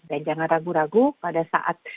dan jangan ragu ragu pada saat